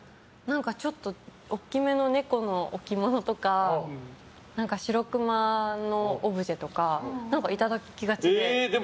ちょっと大きめの猫の置物とかシロクマのオブジェとかいただきがちで。